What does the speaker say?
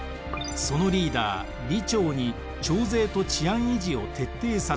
そのリーダー里長に徴税と治安維持を徹底させました。